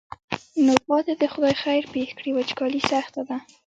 نو پاتې دې خدای خیر پېښ کړي وچکالي سخته ده.